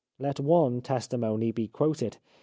Let one testimony be quoted.